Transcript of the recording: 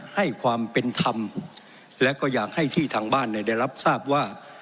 ให้ความเป็นธรรมและก็อยากให้ที่ทางบ้านเนี่ยได้รับทราบว่า